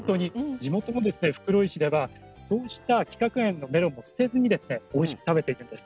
地元の袋井市ではこうした規格外のメロンも捨てずにおいしく食べているんです。